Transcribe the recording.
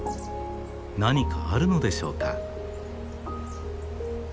何かあるのでしょうか。